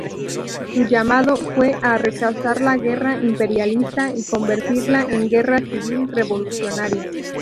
Su llamado fue a "rechazar la guerra imperialista y convertirla en guerra civil revolucionaria".